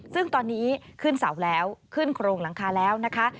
ซึ่งตอนนี้ขึ้นเสาแล้วขึ้นโครงหลังคาแล้วนะคะ